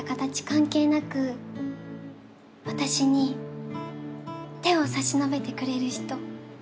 関係なく私に手を差し伸べてくれる人